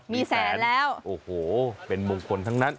มีแสนแล้วโอ้โหเป็นมงคลทั้งนั้น